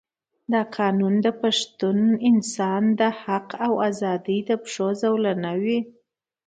دا قانون به د پښتون انسان د حق او آزادۍ د پښو زولانه وي.